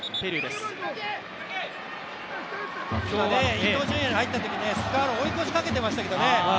伊東純也が入ったとき菅原、追い越しかけていましたけどね。